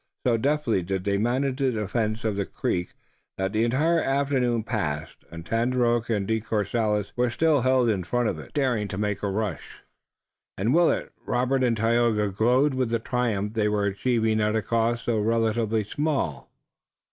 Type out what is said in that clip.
So deftly did they manage the defense of the creek that the entire afternoon passed and Tandakora and De Courcelles were still held in front of it, not daring to make a rush, and Willet, Robert and Tayoga glowed with the triumph they were achieving at a cost relatively so small.